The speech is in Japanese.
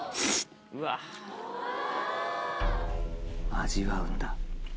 味わうんだ。